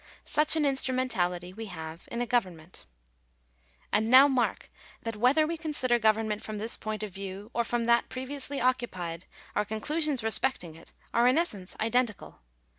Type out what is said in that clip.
Such an instrumentality we have in a government. And now mark that whether we consider government from this point of view, or from that previously occupied, our con clusions respecting it are in essence identical.